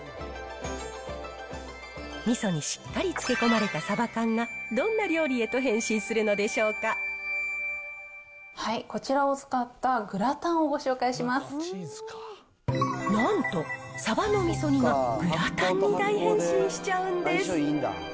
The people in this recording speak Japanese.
みそにしっかり漬け込まれたさば缶がどんな料理へと変身するのでこちらを使ったグラタンをごなんと、さばのみそ煮がグラタンに大変身しちゃうんです。